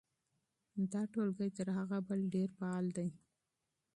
دا ټولګی تر هغه بل ډېر فعال دی.